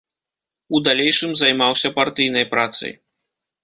У далейшым займаўся партыйнай працай.